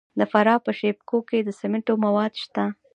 د فراه په شیب کوه کې د سمنټو مواد شته.